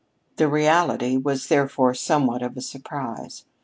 The reality was therefore somewhat of a surprise.